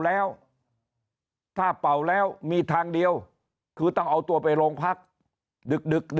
แล้วถ้าเป่าแล้วมีทางเดียวคือต้องเอาตัวไปโรงพักดึก